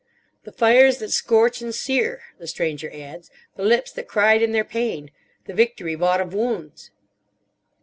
"The fires that scorch and sear," the Stranger adds, "the lips that cried in their pain, the victory bought of wounds."